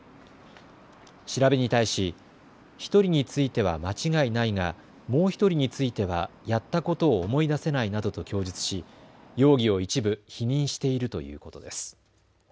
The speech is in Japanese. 調べに対し１人については間違いないが、もう１人についてはやったことを思い出せないなどと供述し容疑を一部否認しているということです。